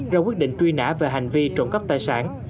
ra quyết định truy nã về hành vi trộn cấp tài sản